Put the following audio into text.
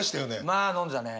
まあ飲んでたね。